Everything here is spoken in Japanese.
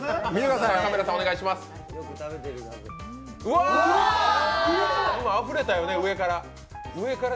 わあ、あふれたよね、上から。